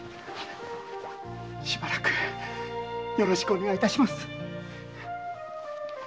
しばらくよろしくお願いいたします。